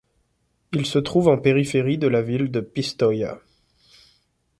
Il se trouve en périphérie de la ville de Pistoia.